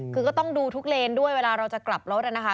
คือก็ต้องดูทุกเลนด้วยเวลาเราจะกลับรถนะคะ